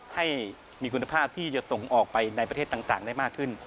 ให้มีคุณภาพที่จะส่งออกไปในประเทศต่างได้มากขึ้น